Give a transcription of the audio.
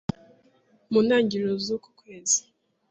mu ntangiriro z'uku kwezi,